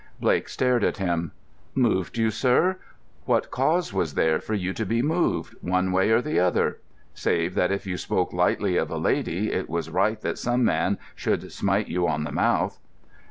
Blake stared at him. "Moved you, sir! What cause was there for you to be moved—one way or the other? Save that if you spoke lightly of a lady it was right that some man should smite you on the mouth."